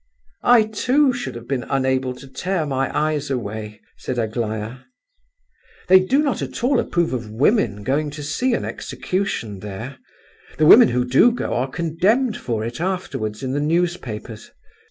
"I, too, should have been unable to tear my eyes away," said Aglaya. "They do not at all approve of women going to see an execution there. The women who do go are condemned for it afterwards in the newspapers."